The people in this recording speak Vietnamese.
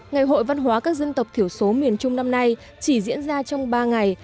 ngày hội văn hóa các dân tộc thiểu số miền trung năm nay chỉ diễn ra trong ba ngày